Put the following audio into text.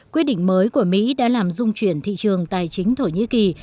quyết định mới của mỹ đã làm dung chuyển thị trường tài chính thổ nhĩ kỳ